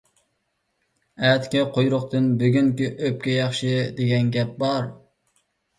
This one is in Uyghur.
«ئەتىكى قۇيرۇقتىن بۈگۈنكى ئۆپكە ياخشى» دېگەن گەپ بار.